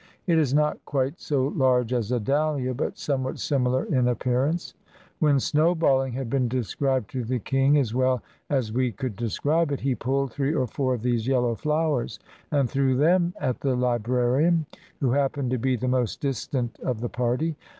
It is not quite so large as a dahha, but somewhat similar in appearance. When snowballing had been described to the king as well as we could describe it, he pulled three or four of these yellow flowers and threw them at the librarian, who happened to be the most distant of the party.